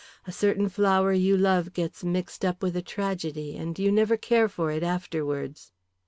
"A certain flower you love gets mixed up with a tragedy, and you never care for it afterwards."